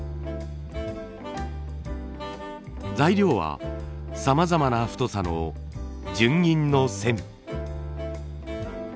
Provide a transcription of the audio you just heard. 材料はさまざまな太さの純銀の線。